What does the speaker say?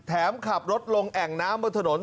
ขับรถลงแอ่งน้ำบนถนน